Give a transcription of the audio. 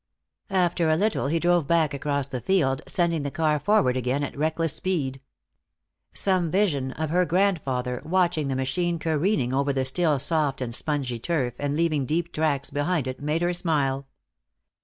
After a little he drove back across the field, sending the car forward again at reckless speed. Some vision of her grandfather, watching the machine careening over the still soft and spongy turf and leaving deep tracks behind it, made her smile.